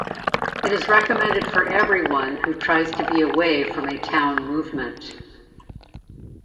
Is recommended for everyone who tries to be away from a town movement.